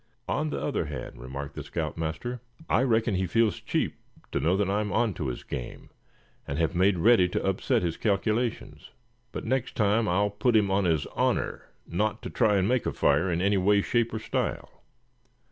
"On the other hand," remarked the scout master, "I reckon he feels cheap to know that I'm on to his game, and have made ready to upset his calculations. But next time I'll put him on his honor not to try and make a fire in any way, shape or style.